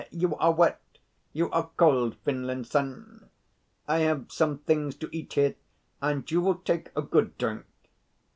You are wet? You are cold, Finlinson? I have some things to eat here, and you will take a good drink."